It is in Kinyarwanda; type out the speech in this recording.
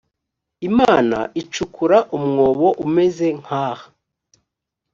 imana icukura umwobo umeze nkaha